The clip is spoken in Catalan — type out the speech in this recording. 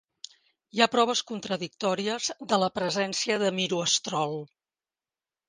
Hi ha proves contradictòries de la presència de miroestrol.